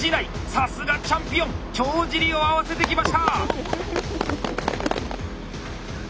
さすがチャンピオン帳尻を合わせてきました。